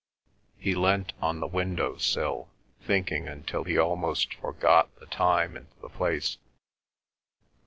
He leant on the window sill, thinking, until he almost forgot the time and the place.